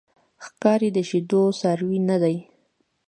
ښکاري د شیدو څاروی نه دی.